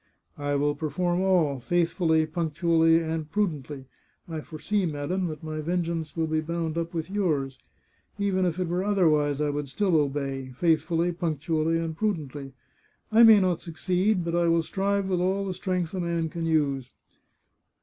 " I will perform all — faithfully, punctually, and prudently. I foresee, madam, that my vengeance will be bound up with yours. Even if it were otherwise, I would still obey — faith fully, punctually, and prudently. I may not succeed, but I will strive with all the strength a man can use."